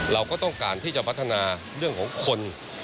เราก็ต้องการที่จะพัฒนาเรื่องของคน